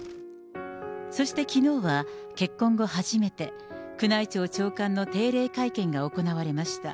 そしてきのうは、結婚後初めて、宮内庁長官の定例会見が行われました。